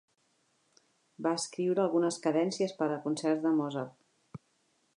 Va escriure algunes cadències per a concerts de Mozart.